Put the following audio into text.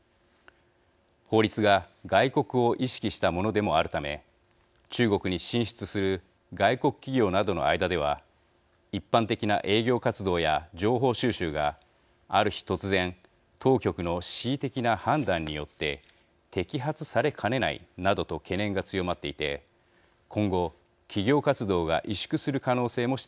法律が外国を意識したものでもあるため中国に進出する外国企業などの間では一般的な営業活動や情報収集がある日突然当局の恣意的な判断によって摘発されかねないなどと懸念が強まっていて今後企業活動が萎縮する可能性も指摘されています。